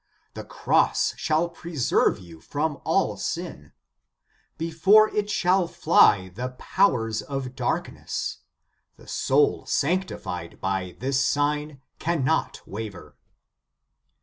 The Cross shall preserve you from all sin ; before it shall fly the powers of darkness ; the soul sanctified by this sign, cannot waver."